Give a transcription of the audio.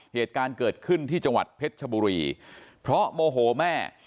เหตุการณ์เกิดขึ้นที่จังหวัดเพชรชบุรีเพราะโมโหแม่